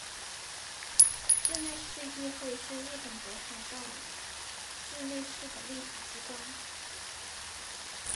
稚内市议会是日本北海道稚内市的立法机关。